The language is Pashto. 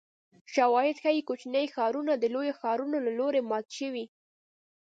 شواهد ښيي کوچني ښارونه د لویو ښارونو له لوري مات شوي